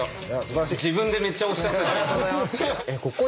自分でめっちゃ押しちゃって。